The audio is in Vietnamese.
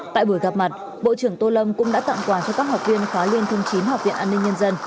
tại buổi gặp mặt bộ trưởng tô lâm cũng đã tặng quà cho các học viên khóa liên thông chín học viện an ninh nhân dân